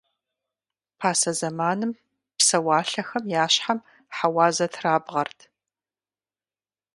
Пасэ зэманым псэуалъэхэм я щхьэм хьэуазэ трабгъэрт.